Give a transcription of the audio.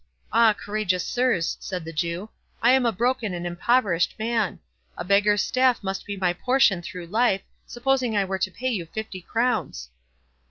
ah, courageous sirs," said the Jew, "I am a broken and impoverished man; a beggar's staff must be my portion through life, supposing I were to pay you fifty crowns."